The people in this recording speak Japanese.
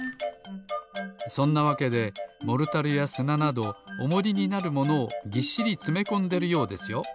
そんなわけでモルタルやすななどおもりになるものをぎっしりつめこんでるようですよ。